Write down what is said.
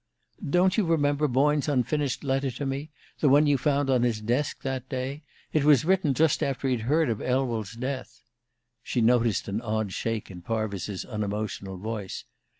"Don't you remember Boyne's unfinished letter to me the one you found on his desk that day? It was written just after he'd heard of Elwell's death." She noticed an odd shake in Parvis's unemotional voice.